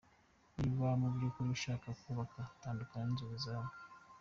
Niba mu byukuri ushaka kubaka, tandukana ninzozi zawe.